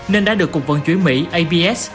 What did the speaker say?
nên đã được cục vận chủy mỹ abs